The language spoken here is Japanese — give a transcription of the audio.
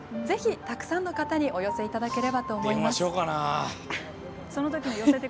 ぜひ、たくさんの方にお寄せいただければと思います。